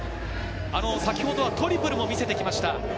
先ほどはトリプルも見せました。